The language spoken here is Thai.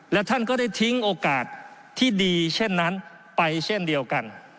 และท่านก็ได้ทิ้งโอกาสที่ดีเช่นนั้นไปเช่นเดียวกัน